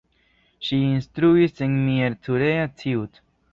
Ŝi instruis en Miercurea Ciuc.